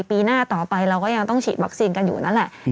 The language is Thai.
ปีหน้าต่อไปเราก็ยังต้องฉีดวัคซีนกันอยู่นั่นแหละ